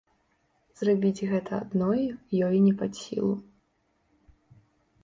Зрабіць гэта адной ёй не пад сілу.